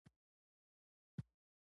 ولس برمته ونیسي.